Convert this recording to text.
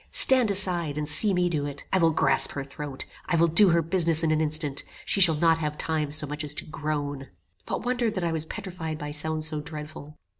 stand aside, and see me do it. I will grasp her throat; I will do her business in an instant; she shall not have time so much as to groan." What wonder that I was petrified by sounds so dreadful!